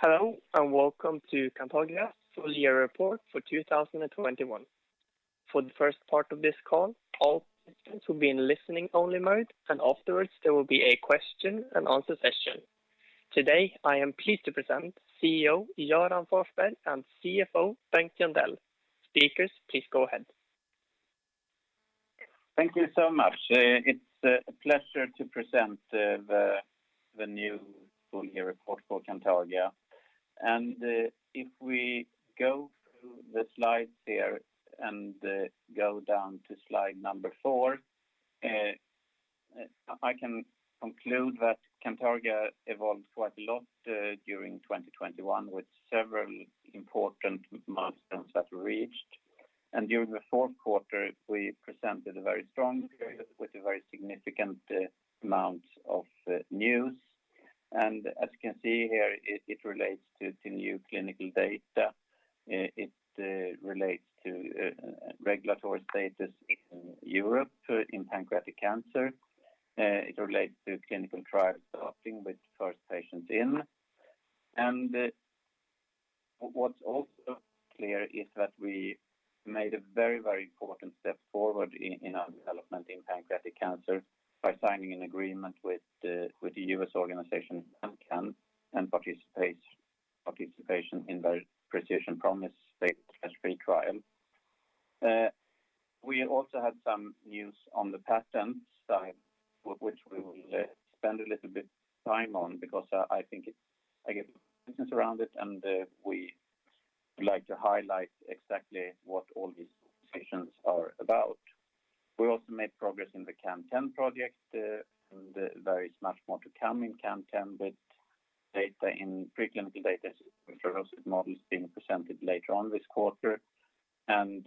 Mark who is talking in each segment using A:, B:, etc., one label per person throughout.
A: Hello, and welcome to Cantargia full year report for 2021. For the first part of this call, all participants will be in listening only mode, and afterwards there will be a question and answer session. Today, I am pleased to present CEO Göran Forsberg and CFO Bengt Jöndell. Speakers, please go ahead.
B: Thank you so much. It's a pleasure to present the new full year report for Cantargia. If we go through the slides here and go down to slide number four, I can conclude that Cantargia evolved quite a lot during 2021 with several important milestones that were reached. During the fourth quarter we presented a very strong period with a very significant amount of news. As you can see here, it relates to new clinical data. It relates to regulatory status in Europe for pancreatic cancer. It relates to clinical trials starting with first patients in. What's also clear is that we made a very important step forward in our development in pancreatic cancer by signing an agreement with the U.S. organization PanCAN and participation in their Precision Promise phase III trial. We also had some news on the patent side, which we will spend a little bit time on because I think it's important and we like to highlight exactly what all these decisions are about. We also made progress in the CAN10 project. There is much more to come in CAN10 with preclinical data in xenograft models being presented later on this quarter. And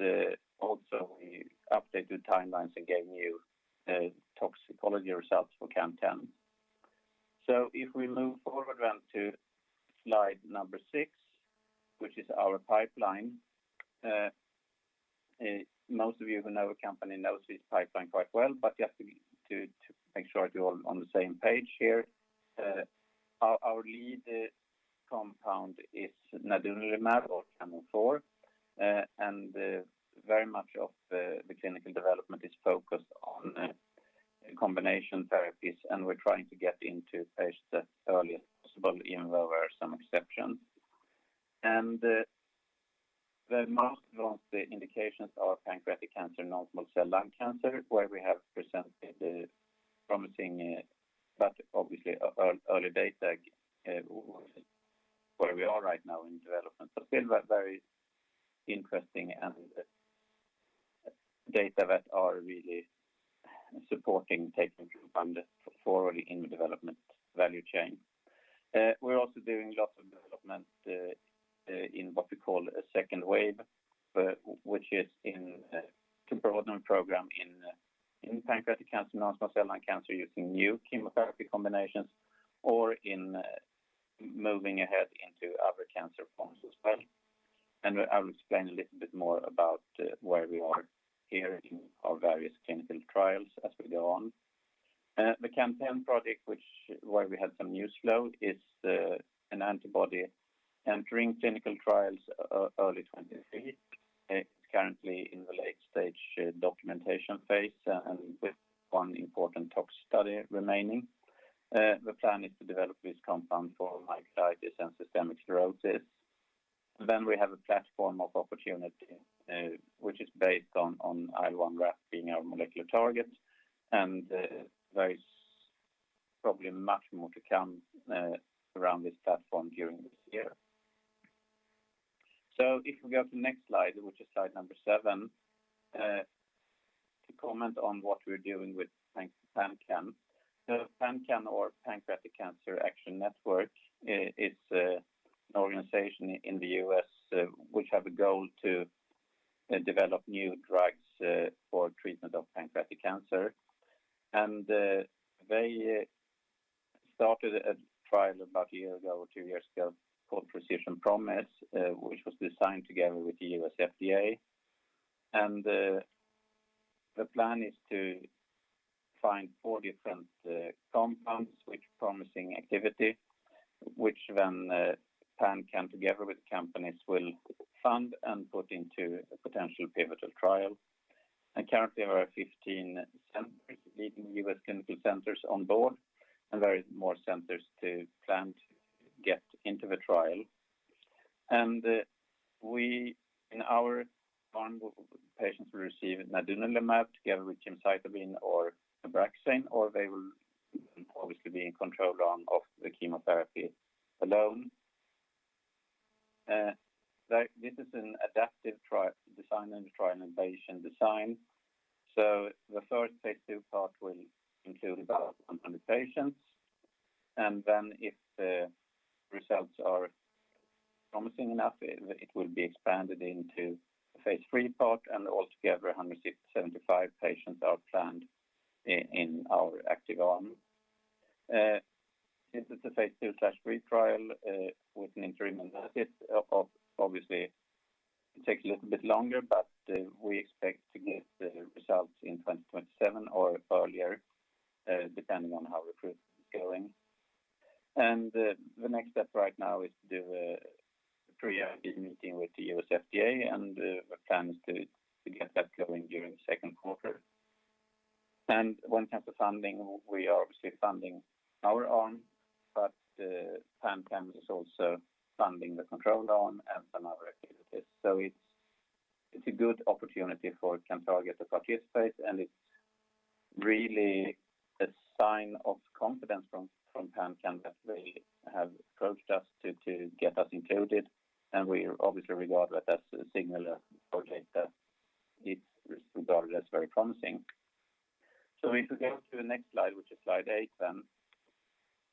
B: also we updated timelines and gave new toxicology results for CAN10. if we move forward then to slide number six, which is our pipeline. most of you who know our company knows this pipeline quite well, but just to make sure that we're all on the same page here. our lead compound is nadunolimab or CAN04. and very much of the clinical development is focused on combination therapies, and we're trying to get into patients as early as possible even though there are some exceptions. the most of the indications are pancreatic cancer, non-small cell lung cancer, where we have presented promising but obviously early data where we are right now in development. still very interesting and data that are really supporting taking the compound forward in the development value chain. We're also doing lots of development in what we call a second wave, which is in to broaden program in pancreatic cancer, non-small cell lung cancer using new chemotherapy combinations or in moving ahead into other cancer forms as well. I will explain a little bit more about where we are here in our various clinical trials as we go on. The CAN10 project where we had some news flow is an antibody entering clinical trials early 2023. It's currently in the late stage documentation phase and with one important tox study remaining. The plan is to develop this compound for myositis and systemic sclerosis. We have a platform of opportunity which is based on IL1RAP being our molecular target. There is probably much more to come around this platform during this year. If we go to the next slide, which is slide number seven, to comment on what we're doing with PanCAN. PanCAN or Pancreatic Cancer Action Network is an organization in the U.S., which have a goal to develop new drugs for treatment of pancreatic cancer. They started a trial about a year ago or two years ago called Precision Promise, which was designed together with the U.S. FDA. The plan is to find four different compounds which promising activity, which then PanCAN together with companies will fund and put into a potential pivotal trial. Currently there are 15 centers, leading U.S. clinical centers on board, and there is more centers to plan to get into the trial. We in our arm of patients will receive nadunolimab together with gemcitabine or nab-paclitaxel or they will obviously be in control on of the chemotherapy alone. This is an adaptive trial design and patient design. The first phase II part will include about 100 patients. Then if the results are promising enough, it will be expanded into a phase III part and altogether 175 patients are planned in our active arm. Since it's a phase II/III trial with an interim analysis, it takes a little bit longer, but we expect to get the results in 2027 or earlier, depending on how recruitment is going. The next step right now is to do a pre-IND meeting with the U.S. FDA and the plan is to get that going during the second quarter. When it comes to funding, we are obviously funding our own, but PanCAN is also funding the control arm and some other activities. It's a good opportunity for Cantargia to participate, and it's really a sign of confidence from PanCAN that they have approached us to get us included. We obviously regard that as a signal that the data is regarded as very promising. If we go to the next slide, which is slide eight.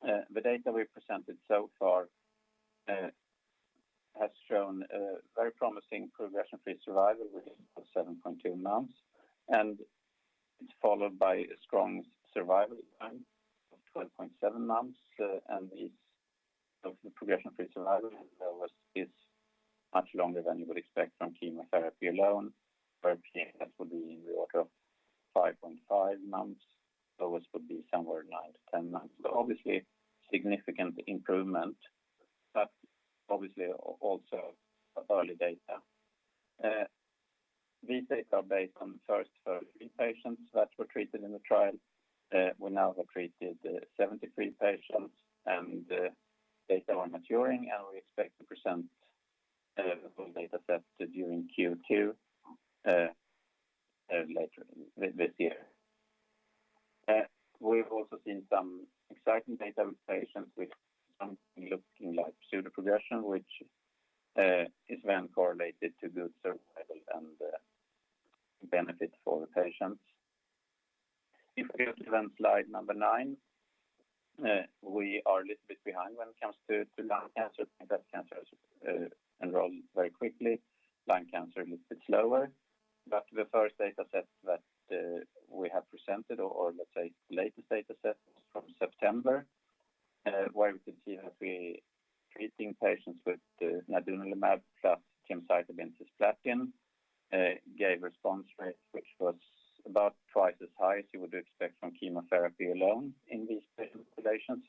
B: The data we presented so far has shown a very promising progression-free survival of 7.2 months. It's followed by a strong survival time of 12.7 months, and it's the progression-free survival is much longer than you would expect from chemotherapy alone, where patients will be in the order of 5.5 months, those would be somewhere around 10 months. Obviously, significant improvement, obviously also early data. These data are based on the first 33 patients that were treated in the trial. We now have treated 73 patients, and the data are maturing, and we expect to present the full data set during Q2 later this year. We've also seen some exciting data with patients with something looking like pseudoprogression, which is then correlated to good survival and benefits for the patients. If we go to then slide number nine, we are a little bit behind when it comes to lung cancer. That cancer has enrolled very quickly. Lung cancer a little bit slower. The first data set that we have presented or let's say latest data set was from September, where we could see that we treating patients with nadunolimab plus gemcitabine cisplatin gave response rate which was about twice as high as you would expect from chemotherapy alone in these patient populations.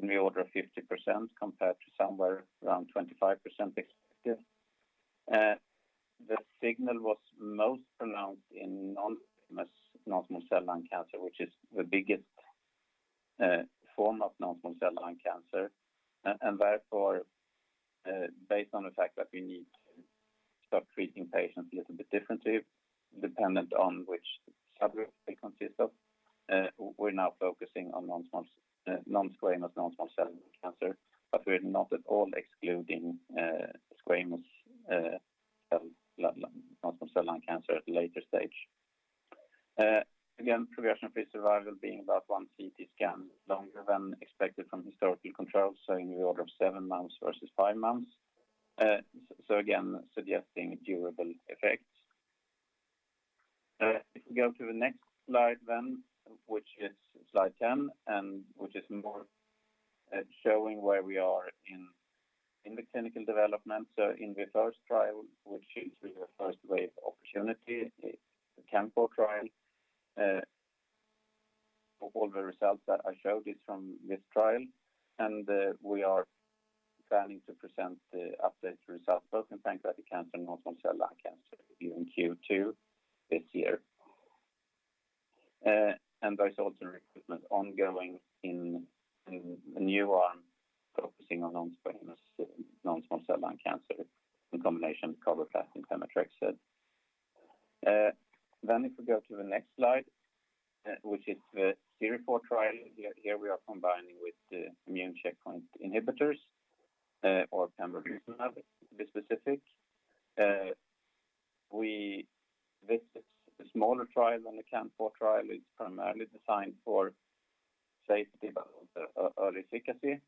B: In the order of 50% compared to somewhere around 25% expected. The signal was most pronounced in non-squamous non-small cell lung cancer, which is the biggest form of non-small cell lung cancer. Therefore, based on the fact that we need to start treating patients a little bit differently dependent on which subgroup they consist of, we're now focusing on non-squamous non-small cell lung cancer, but we're not at all excluding squamous non-small cell lung cancer at a later stage. Again, progression-free survival being about one CT scan longer than expected from historical controls, say in the order of seven months versus five months. Again, suggesting durable effects. If we go to the next slide then, which is slide 10, and which is more showing where we are in the clinical development. In the first trial, which is with the first-line opportunity, the CANFOUR trial, all the results that I showed is from this trial, and we are planning to present the updated results both in pancreatic cancer and non-small cell lung cancer during Q2 this year. There's also recruitment ongoing in a new arm focusing on non-squamous non-small cell lung cancer in combination with carboplatin gemcitabine. If we go to the next slide, which is the CIRIFOUR trial. Here we are combining with the immune checkpoint inhibitors, or pembrolizumab to be specific. This is a smaller trial than the CANFOUR trial. It's primarily designed for safety but also early efficacy.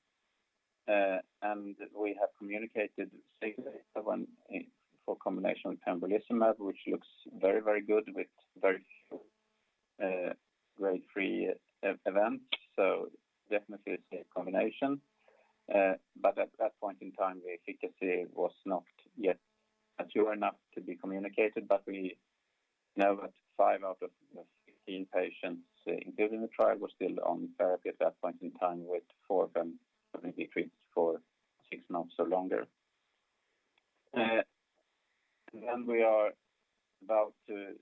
B: We have communicated safety of the combination with pembrolizumab, which looks very, very good with very few grade three events. Definitely a safe combination. At that point in time, the efficacy was not yet mature enough to be communicated. We know that five out of the 15 patients included in the trial were still on therapy at that point in time, with four of them having been treated for six months or longer. We are about to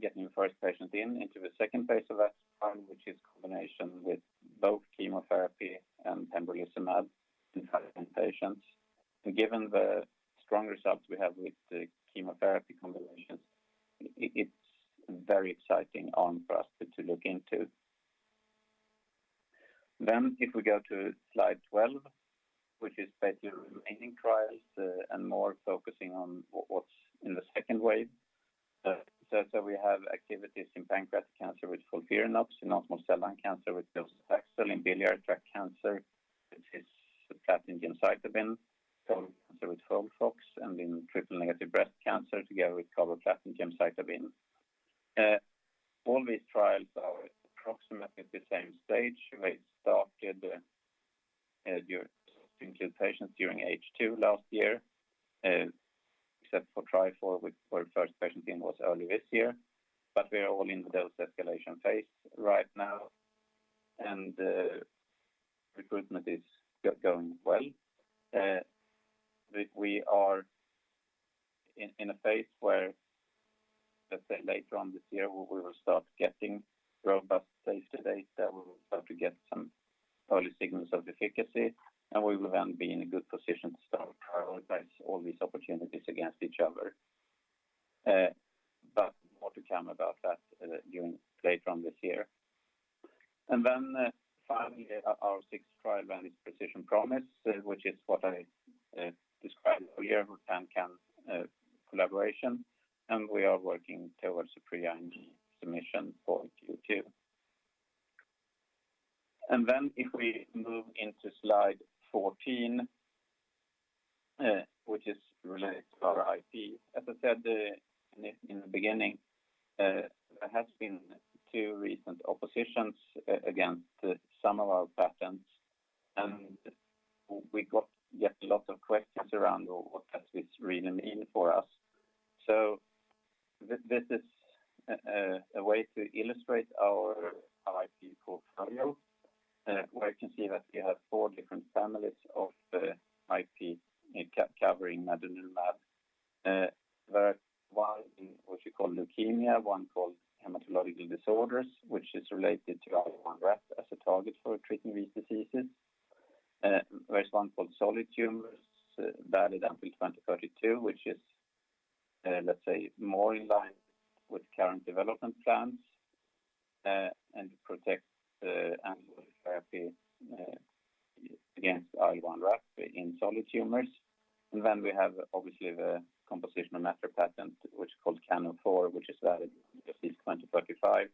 B: get new first patients in into the second phase of that trial, which is combination with both chemotherapy and pembrolizumab in patients. Given the strong results we have with the chemotherapy combinations, it's very exciting arm for us to look into. If we go to slide 12, which is basically remaining trials, and more focusing on what's in the second wave. We have activities in pancreatic cancer with FOLFIRINOX, in non-small cell lung cancer with docetaxel, in biliary tract cancer, which is the platinum gemcitabine, colorectal cancer with FOLFOX, and in triple-negative breast cancer together with carboplatin gemcitabine. All these trials are approximately at the same stage. They started during H2 last year, except for TRIFOUR, where first patient in was early this year. We are all in the dose escalation phase right now, and recruitment is going well. We are in a phase where, let's say later on this year, we will start getting robust safety data. We will start to get some early signals of efficacy, and we will then be in a good position to start prioritize all these opportunities against each other. More to come about that during later on this year. Finally, our sixth trial is Precision Promise, which is what I described earlier with PanCAN collaboration, and we are working towards a pre-IND submission for Q2. If we move into slide 14, which is related to our IP. As I said in the beginning, there has been two recent oppositions against some of our patents, and we get lots of questions around what does this really mean for us. This is a way to illustrate our IP portfolio, where you can see that we have four different families of IP covering nadunolimab. There is one in which we call leukemia, one called hematological disorders, which is related to IL1RAP as a target for treating these diseases. There's one called solid tumors, valid until 2032, which is, let's say more in line with current development plans, and protects the antibody therapy, against IL1RAP in solid tumors. Then we have obviously the composition of matter patent, which is called CAN04 which is valid until at least 2035,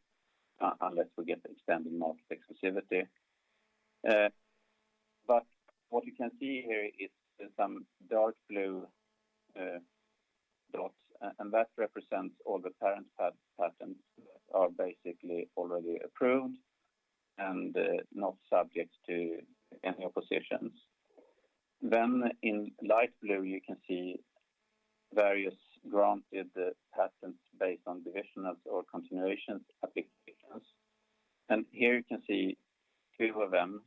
B: unless we get extended market exclusivity. But what you can see here is some dark blue dots, and that represents all the parent patents that are basically already approved and, not subject to any oppositions. In light blue, you can see various granted patents based on divisions or continuation applications. Here you can see two of them,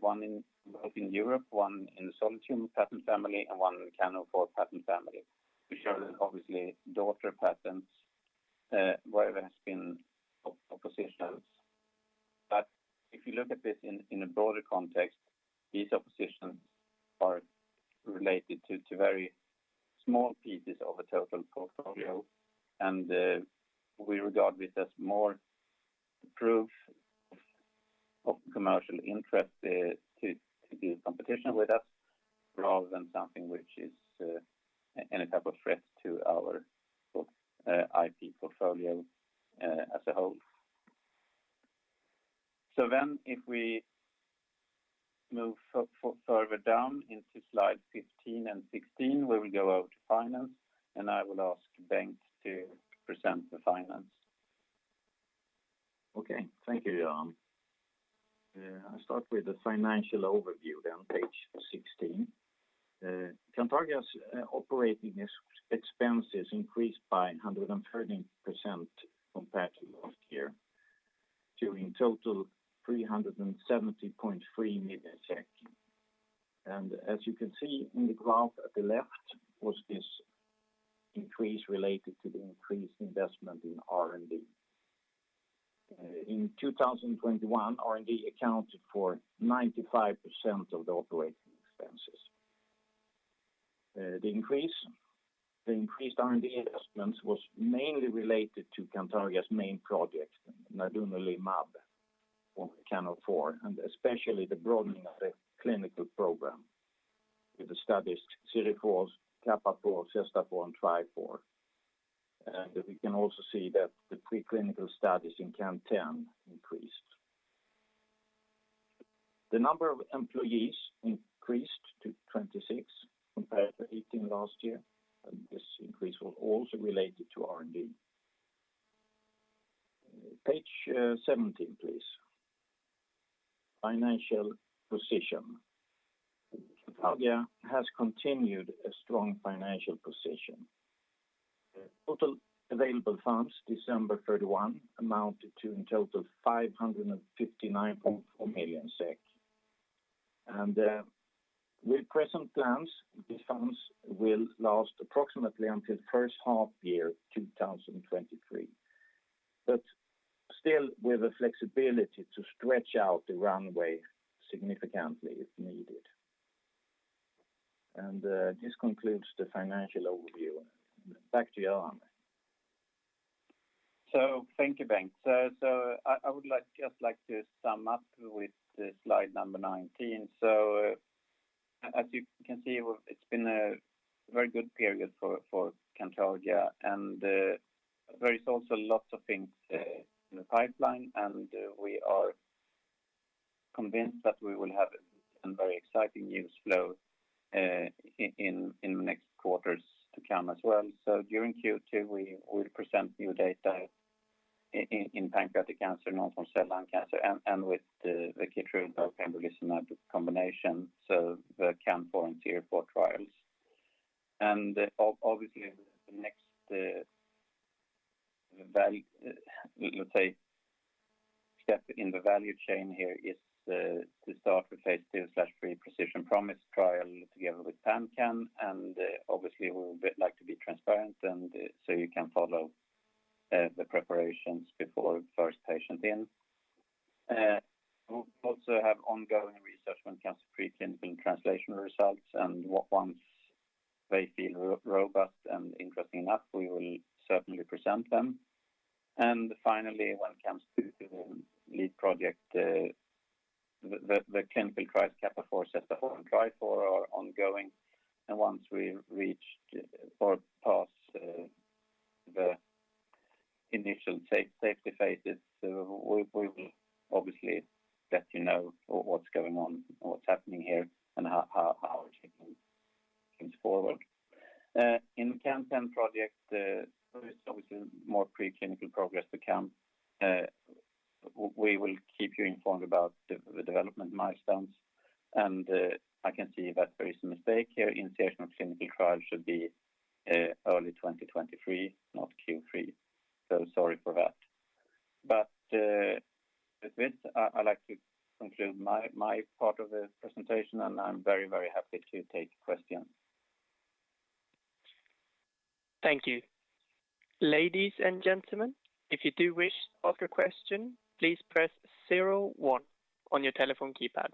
B: one, both in Europe, one in the solid tumor patent family, and one in CAN04 patent family, which are obviously daughter patents, where there has been oppositions. If you look at this in a broader context, these oppositions are related to very small pieces of the total portfolio. We regard this as more proof of commercial interest to compete with us rather than something which is any type of threat to our IP portfolio as a whole. If we move further down into slide 15 and 16, where we go over to finance, I will ask Bengt to present the finance.
C: Okay. Thank you, Göran. I'll start with the financial overview on page 16. Cantargia's operating expenses increased by 113% compared to last year to in total 370.3 million. As you can see in the graph at the left was this increase related to the increased investment in R&D. In 2021, R&D accounted for 95% of the operating expenses. The increased R&D investments was mainly related to Cantargia's main project, nadunolimab or CAN04, and especially the broadening of the clinical program with the studies CIRIFOUR, CAPAFOUR, CESTAFOUR and TRIFOUR. We can also see that the preclinical studies in CAN10 increased. The number of employees increased to 26 compared to 18 last year, and this increase was also related to R&D. Page 17, please. Financial position. Cantargia has continued a strong financial position. Total available funds as of December 31 amounted to in total 559.4 million SEK. With present plans, these funds will last approximately until first half year 2023. Still with the flexibility to stretch out the runway significantly if needed. This concludes the financial overview. Back to Göran.
B: Thank you, Bengt. I would like to sum up with the slide number 19. As you can see, it's been a very good period for Cantargia, and there is also lots of things in the pipeline, and we are convinced that we will have some very exciting news flow in the next quarters to come as well. During Q2, we will present new data in pancreatic cancer, non-small cell lung cancer and with the Keytruda pembrolizumab combination, so the CIRIFOUR trial. Obviously the next value, let's say, step in the value chain here is to start with phase II/III Precision Promise trial together with PanCAN. Obviously we would like to be transparent and so you can follow the preparations before the first patient in. We also have ongoing research when it comes to preclinical and translational results, and once they feel robust and interesting enough, we will certainly present them. Finally, when it comes to the lead project, the CIRIFOUR, CAPAFOUR, CESTAFOUR and TRIFOUR are ongoing. Once we reach or pass the initial safety phases, we will obviously let you know what's going on, what's happening here, and how our thinking comes forward. In CAN10 project, there is obviously more preclinical progress to come. We will keep you informed about the development milestones. I can see that there is a mistake here. Initiation of clinical trial should be early 2023, not Q3. Sorry for that. With this I'd like to conclude my part of the presentation, and I'm very, very happy to take questions.
A: Thank you. Ladies and gentlemen, if you do wish to ask a question, please press zero one on your telephone keypad.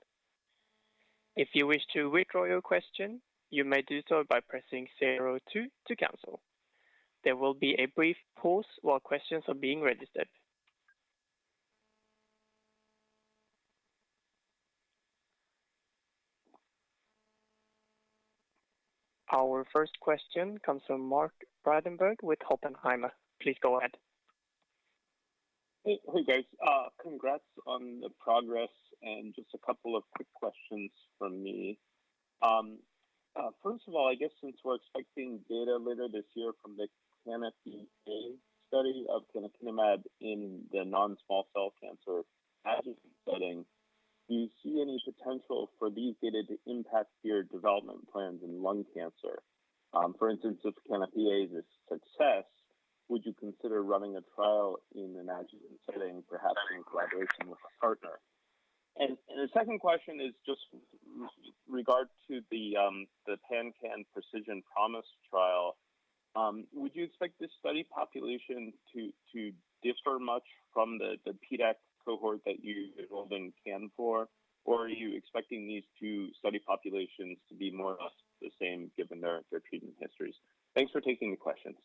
A: If you wish to withdraw your question, you may do so by pressing zero two to cancel. There will be a brief pause while questions are being registered. Our first question comes from Mark Breidenbach with Oppenheimer. Please go ahead.
D: Hey, guys. Congrats on the progress and just a couple of quick questions from me. First of all, I guess since we're expecting data later this year from the CANOPY-A study of canakinumab in the non-small cell lung cancer adjuvant setting, do you see any potential for these data to impact your development plans in lung cancer? For instance, if CANOPY-A is a success, would you consider running a trial in an adjuvant setting, perhaps in collaboration with a partner? The second question is just regard to the PanCAN Precision Promise trial. Would you expect this study population to differ much from the PDAC cohort that you enrolled in CAN04? Or are you expecting these two study populations to be more or less the same given their treatment histories? Thanks for taking the questions.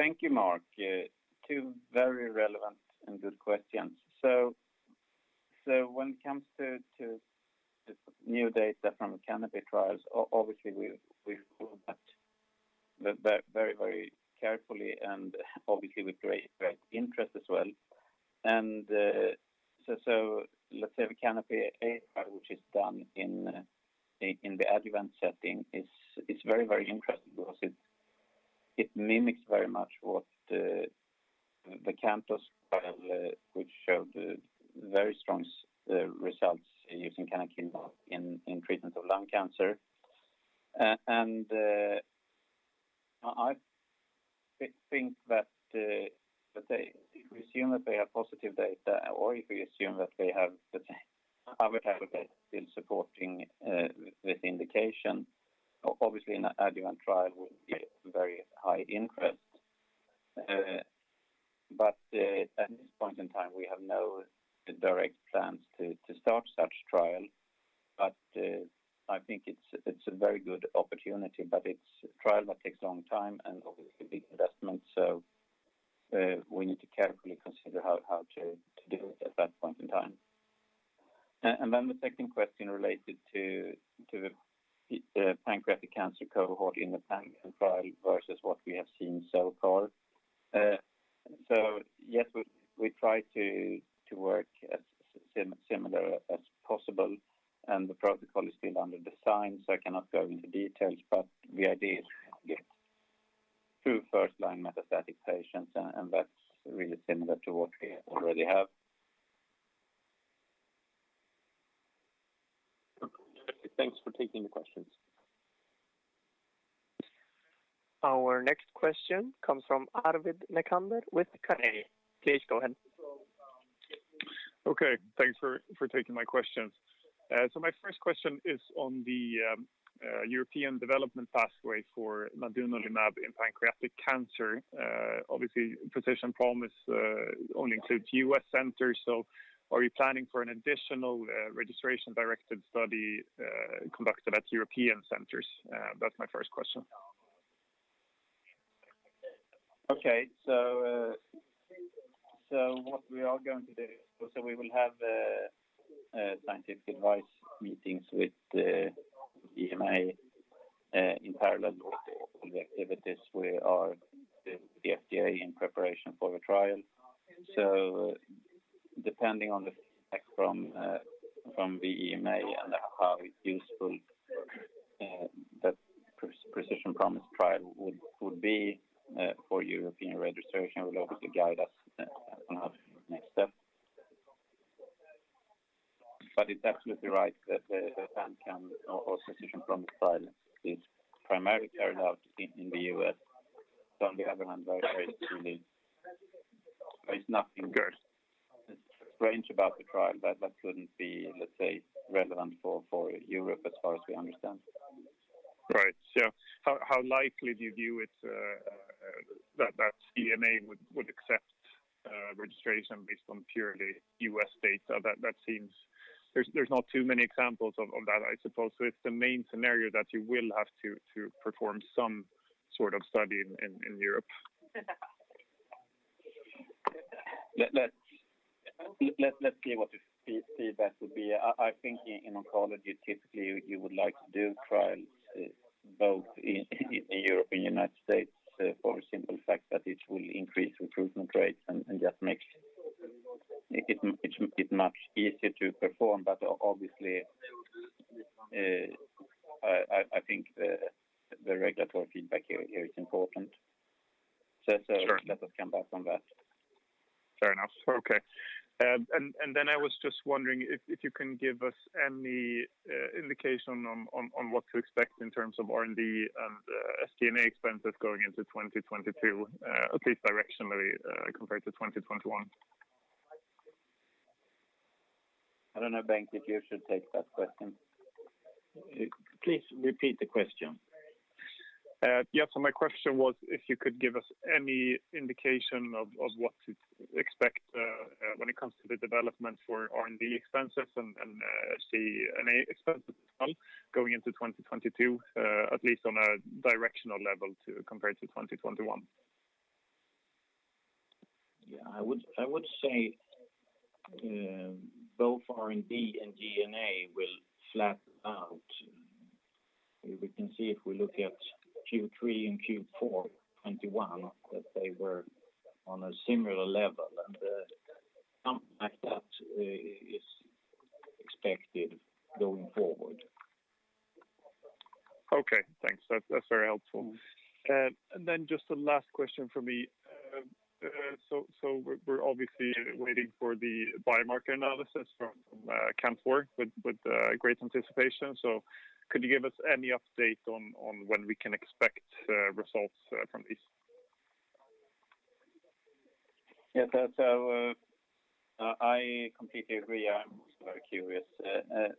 B: Thank you, Mark. Two very relevant and good questions. When it comes to the new data from the CANOPY trials, obviously we follow that very carefully and obviously with great interest as well. Let's say the CANOPY-A trial, which is done in the adjuvant setting is very interesting because it mimics very much what the CANTOS trial, which showed very strong results using canakinumab in treatment of lung cancer. I think that they if we assume that they have positive data or if we assume that they have the other data that is supporting this indication, obviously an adjuvant trial will be of very high interest. At this point in time, we have no direct plans to start such trial. I think it's a very good opportunity, but it's a trial that takes a long time and obviously a big investment. We need to carefully consider how to do it at that point in time. Then the second question related to the pancreatic cancer cohort in the PanCAN trial versus what we have seen so far. Yes, we try to work as similar as possible, and the protocol is still under design, so I cannot go into details. The idea is to get two first-line metastatic patients, and that's really similar to what we already have.
D: Okay. Thanks for taking the questions.
A: Our next question comes from Arvid Necander with Carnegie. Please go ahead.
E: Okay, thanks for taking my questions. My first question is on the European development pathway for nadunolimab in pancreatic cancer. Obviously, Precision Promise only includes U.S. centers. Are you planning for an additional registration-directed study conducted at European centers? That's my first question.
B: Okay. What we are going to do, we will have a scientific advice meeting with the EMA in parallel with all the activities we are with the FDA in preparation for the trial. Depending on the effect from the EMA and how useful that Precision Promise trial would be for European registration will obviously guide us on our next step. It's absolutely right that the PanCAN Precision Promise trial is primarily carried out in the U.S. On the other hand, very clearly there is nothing strange about the trial that couldn't be, let's say, relevant for Europe as far as we understand.
E: Right. How likely do you view it that EMA would accept registration based on purely U.S. data? That seems. There's not too many examples of that, I suppose. It's the main scenario that you will have to perform some sort of study in Europe.
B: Let's see what the feedback would be. I think in oncology, typically, you would like to do trials both in Europe and United States for the simple fact that it will increase recruitment rates and just makes it much easier to perform. Obviously, I think the regulatory feedback here is important.
E: Sure.
B: Let us come back on that.
E: Fair enough. Okay. I was just wondering if you can give us any indication on what to expect in terms of R&D and SG&A expenses going into 2022, at least directionally, compared to 2021.
B: I don't know, Bengt, if you should take that question.
C: Please repeat the question.
E: My question was if you could give us any indication of what to expect when it comes to the development for R&D expenses and SG&A expenses going into 2022, at least on a directional level to compare to 2021.
C: Yeah. I would say both R&D and G&A will flatten out. We can see if we look at Q3 and Q4 2021, that they were on a similar level and something like that is expected going forward.
E: Okay, thanks. That's very helpful. Then just the last question for me. We're obviously waiting for the biomarker analysis from CAN04 with great anticipation. Could you give us any update on when we can expect results from this?
B: Yeah. That, I completely agree. I'm also very curious.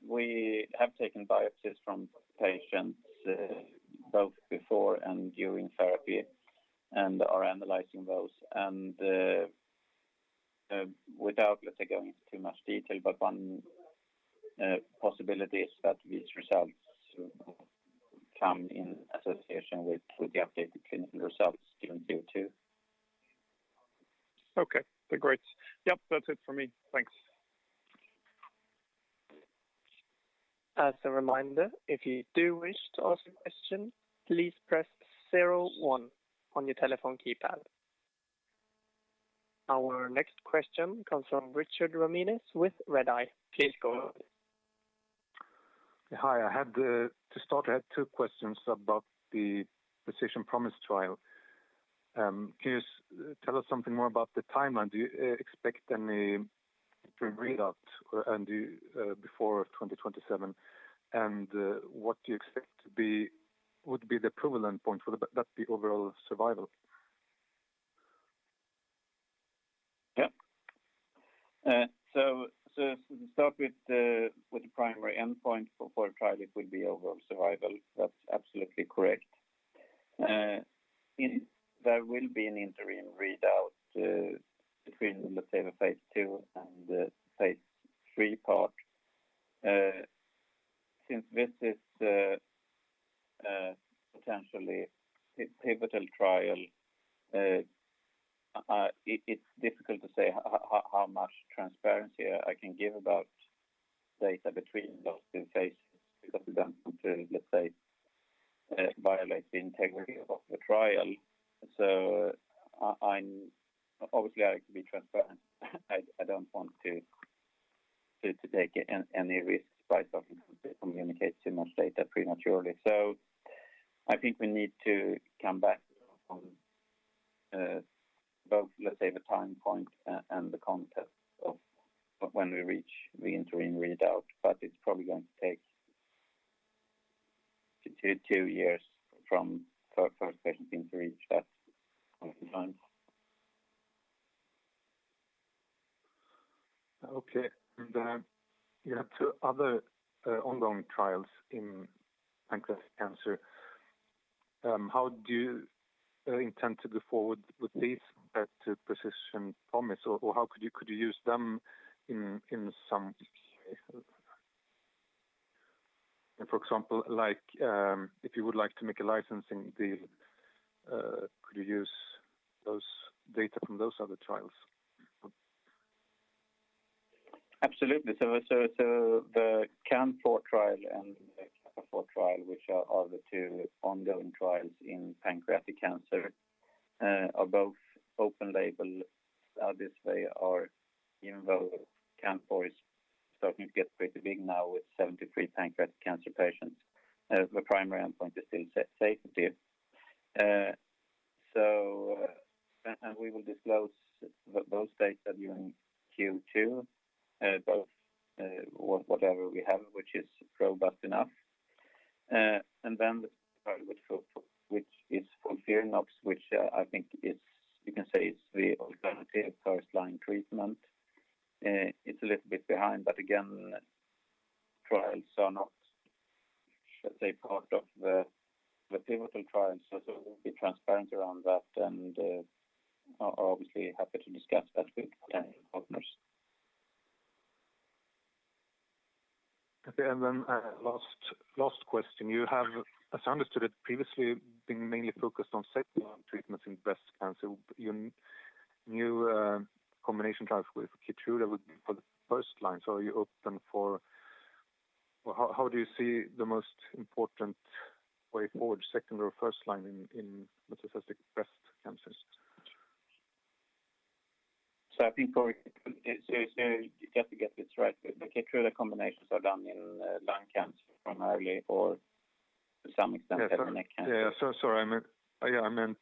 B: We have taken biopsies from patients, both before and during therapy and are analyzing those. Without, let's say, going into too much detail, but one possibility is that these results will come in association with the updated clinical results during Q2.
E: Okay, great. Yep, that's it for me. Thanks.
A: As a reminder, if you do wish to ask a question, please press zero one on your telephone keypad. Our next question comes from Richard Ramanius with Redeye. Please go ahead.
F: Hi. To start, I had two questions about the Precision Promise trial. Can you tell us something more about the timeline? Do you expect any interim readout before 2027? What do you expect would be the primary endpoint for the trial? That's the overall survival?
B: To start with the primary endpoint for a trial, it would be overall survival. That's absolutely correct. There will be an interim readout between, let's say, the phase II and the phase III part. Since this is potentially pivotal trial, it's difficult to say how much transparency I can give about data between those two phases because we don't want to, let's say, violate the integrity of the trial. I'm obviously. I can be transparent. I don't want to take any risks by communicate too much data prematurely. I think we need to come back on, both, let's say, the time point and the context of when we reach the interim readout. It's probably going to take two years from first patient in to reach that endpoint.
F: Okay. You have two other ongoing trials in pancreatic cancer. How do you intend to go forward with these compared to Precision Promise? Or how could you use them in some way? For example, like, if you would like to make a licensing deal, could you use those data from those other trials?
B: Absolutely. The CANFOUR trial and the CAPAFOUR trial, which are the two ongoing trials in pancreatic cancer, are both open label. Obviously, even though CANFOUR is starting to get pretty big now with 73 pancreatic cancer patients, the primary endpoint is still safety. We will disclose those data during Q2, both whatever we have, which is robust enough. Then the trial with FOLFIRINOX, which, I think, you can say is the alternative first-line treatment. It's a little bit behind, but again, trials are not, let's say, part of the pivotal trials, so we'll be transparent around that and are obviously happy to discuss that with potential partners.
F: Okay, last question. You have, as I understood it previously, been mainly focused on secondary treatments in breast cancer. Your new combination trials with Keytruda would be for the first line. Are you open for or how do you see the most important way forward, secondary or first line in metastatic breast cancers?
B: I think just to get this right, the Keytruda combinations are done in lung cancer primarily or to some extent cervical cancer?
F: I meant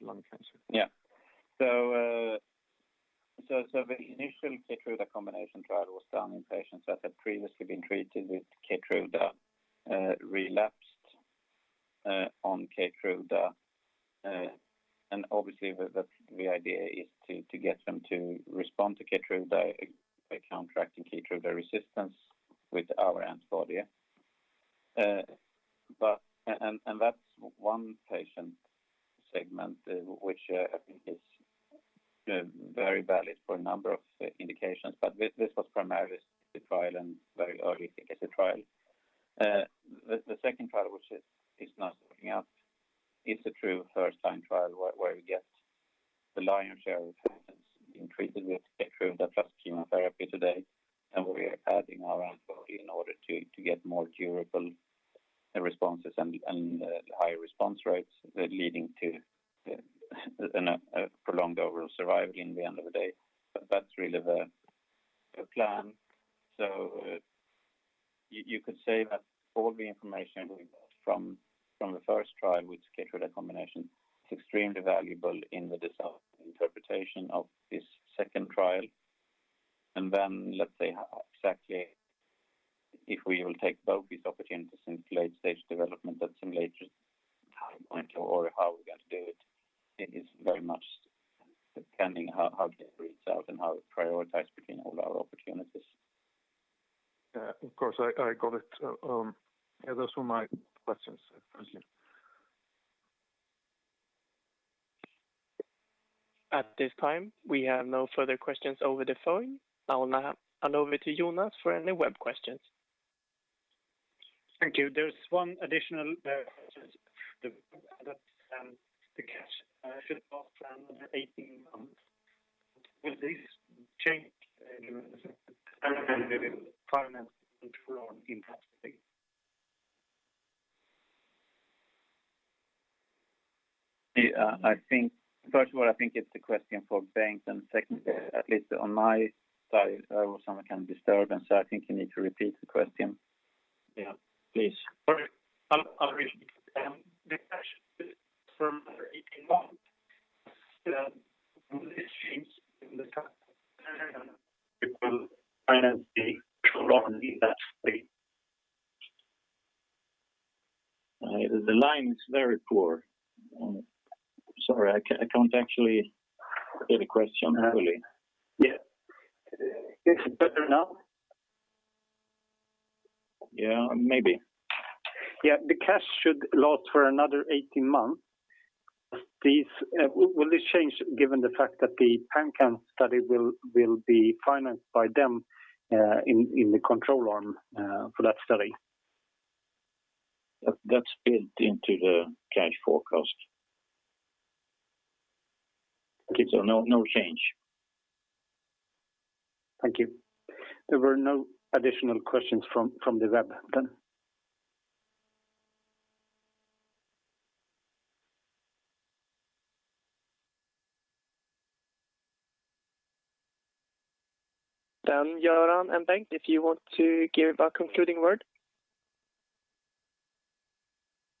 F: lung cancer.
B: The initial Keytruda combination trial was done in patients that had previously been treated with Keytruda, relapsed, on Keytruda. Obviously the idea is to get them to respond to Keytruda by counteracting Keytruda resistance with our antibody. That's one patient segment which I think is very valid for a number of indications. This was primarily a safety trial and very early efficacy trial. The second trial, which is now starting up, is a true first-line trial where we get the lion's share of patients being treated with Keytruda plus chemotherapy today, and we're adding our antibody in order to get more durable responses and higher response rates, leading to a prolonged overall survival in the end of the day. But that's really the plan. You could say that all the information we got from the first trial with Keytruda combination is extremely valuable in the design and interpretation of this second trial. Let's say how exactly if we will take both these opportunities into late-stage development at some later time point or how we're going to do it is very much depending how it reads out and how we prioritize between all our opportunities.
F: Yeah. Of course. I got it. Yeah, those were my questions. Thank you.
A: At this time, we have no further questions over the phone. I will now hand over to Jonas for any web questions.
G: Thank you. There's one additional question. The cash should last another 18 months. Will this change, given the fact that the PanCAN study will be financed through control arm in that study?
B: Yeah. I think first of all, I think it's a question for Bengt, and secondly, at least on my side, there was some kind of disturbance. I think you need to repeat the question.
C: Yeah. Please.
G: All right. I'll repeat. The cash should last for another 18 months. Will this change given the fact that the PanCAN study will be financed through control arm in that study?
C: The line is very poor. Sorry, I can't actually hear the question properly.
G: Yeah. Is it better now?
C: Yeah, maybe.
G: Yeah. The cash should last for another 18 months. Will this change given the fact that the PanCAN study will be financed by them in the control arm for that study?
C: That's built into the cash forecast. Okay. No, no change.
G: Thank you. There were no additional questions from the web then.
A: Göran and Bengt, if you want to give a concluding word.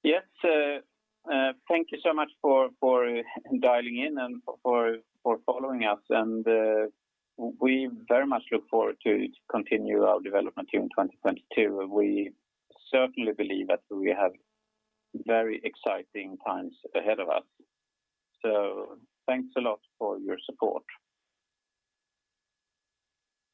B: Yes. Thank you so much for dialing in and for following us. We very much look forward to continue our development here in 2022. We certainly believe that we have very exciting times ahead of us. Thanks a lot for your support.